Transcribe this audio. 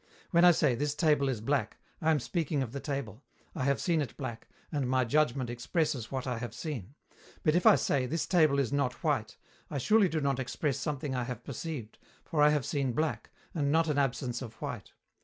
When I say, "This table is black," I am speaking of the table; I have seen it black, and my judgment expresses what I have seen. But if I say, "This table is not white," I surely do not express something I have perceived, for I have seen black, and not an absence of white.